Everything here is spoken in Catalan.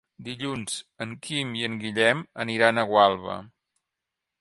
Dilluns en Quim i en Guillem aniran a Gualba.